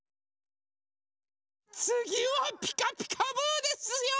つぎは「ピカピカブ！」ですよ。